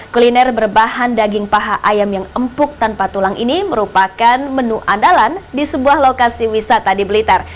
kuliner berbahan daging paha ayam yang empuk tanpa tulang ini merupakan menu andalan di sebuah lokasi wisata di blitar